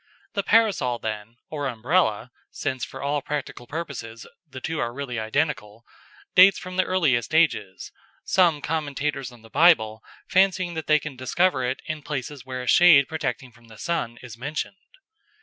The Parasol, then, or Umbrella since for all practical purposes the two are really identical dates from the earliest ages, some commentators on the Bible fancying they can discover it in places where a shade protecting from the sun is mentioned.